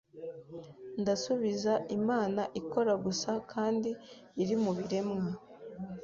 Ndasubiza Imana ikora gusa kandi iri mubiremwa